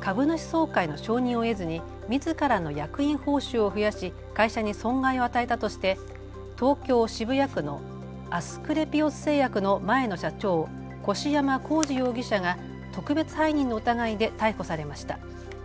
株主総会の承認を得ずにみずからの役員報酬を増やし会社に損害を与えたとして東京渋谷区のアスクレピオス製薬の前の社長、越山晃次容疑者が特別背任の疑いで逮捕されました。